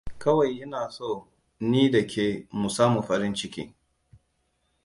Kawai ina son ni da ke mu samu farin ciki.